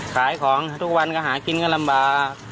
ขายของทุกวันก็หากินก็ลำบาก